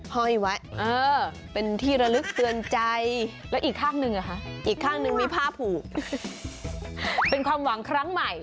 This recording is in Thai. ห้อยไว้เป็นที่ระลึกเตือนใจอีกข้างนึงมีผ้าผูกเป็นความหวังครั้งใหม่